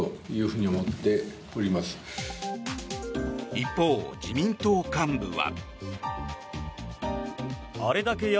一方、自民党幹部は。